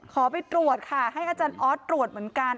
ไปตรวจค่ะให้อาจารย์ออสตรวจเหมือนกัน